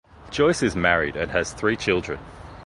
Joyce is married and has three children.